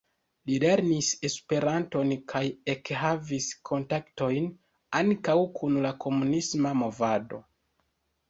Li lernis Esperanton, kaj ekhavis kontaktojn ankaŭ kun la komunisma movado.